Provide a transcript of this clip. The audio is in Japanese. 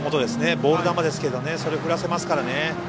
ボール球ですけどそれを振らせますから。